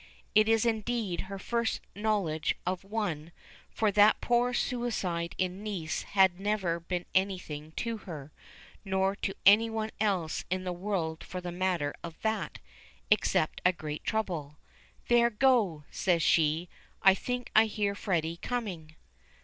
It is indeed her first knowledge of one, for that poor suicide in Nice had never been anything to her or to any one else in the world for the matter of that except a great trouble. "There, go," says she. "I think I hear Freddy coming."